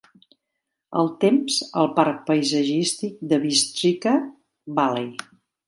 El temps al Parc Paisatgístic de Bystrzyca Valley